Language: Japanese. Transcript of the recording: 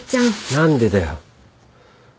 何でだよ。